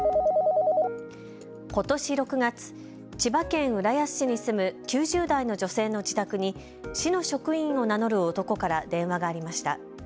ことし６月、千葉県浦安市に住む９０代の女性の自宅に市の職員を名乗る男から電話がありました。